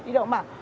đi đâu cũng bảo